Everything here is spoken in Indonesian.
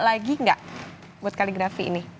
lagi nggak buat kaligrafi ini